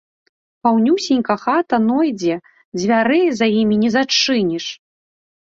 Паўнюсенька хата нойдзе, дзвярэй за імі не зачыніш.